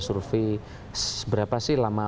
survei seberapa sih lama